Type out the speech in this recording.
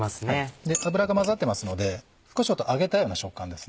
油が混ざってますので少し揚げたような食感です。